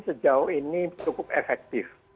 sejauh ini cukup efektif